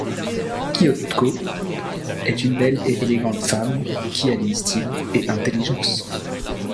Kyoko est une belle et élégante femme qui allie style et intelligence.